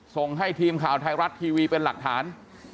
ส่งให้ทีมข่าวไทยรัฐทีวีเป็นหลักฐาน